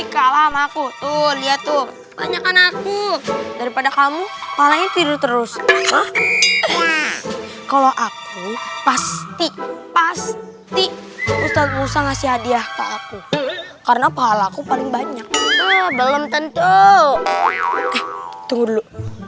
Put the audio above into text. kalau aku pasti pasti pasti karena paling banyak belum tentu